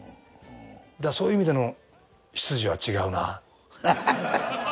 そういう意味での出自は違うなぁ。